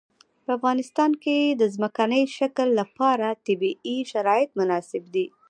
په افغانستان کې د ځمکنی شکل لپاره طبیعي شرایط مناسب دي.